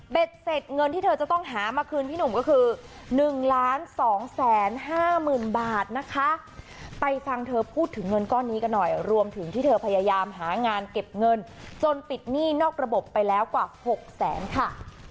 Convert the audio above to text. เสร็จเงินที่เธอจะต้องหามาคืนพี่หนุ่มก็คือหนึ่งล้านสองแสนห้าหมื่นบาทนะคะไปฟังเธอพูดถึงเงินก้อนนี้กันหน่อยรวมถึงที่เธอพยายามหางานเก็บเงินจนปิดหนี้นอกระบบไปแล้วกว่า๖แสนค่ะ